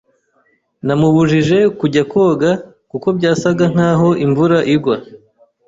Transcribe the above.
Namubujije kujya koga kuko byasaga nkaho imvura igwa.